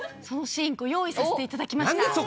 そのシーンご用意させていただきました。